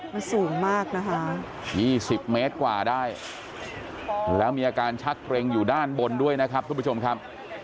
มันสูงมากนะคะ๒๐เมตรกว่าได้แล้วมีอาการชักเกร็งอยู่ด้านบนด้วยนะครับทุกผู้ชมครับ